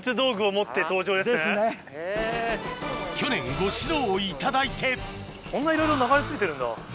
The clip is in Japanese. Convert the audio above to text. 去年ご指導いただいてこんないろいろ流れ着いてるんだ。